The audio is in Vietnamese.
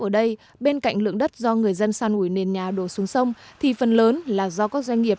ở đây bên cạnh lượng đất do người dân san ủi nền nhà đổ xuống sông thì phần lớn là do các doanh nghiệp